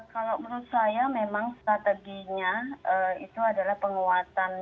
kalau menurut saya memang strateginya itu adalah penguatan